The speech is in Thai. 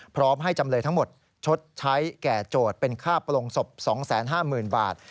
พร้อมให้จำเลยทั้งหมดชดใช้แก่โจทย์เป็นค่าปลงศพ๒๕๐๐๐บาท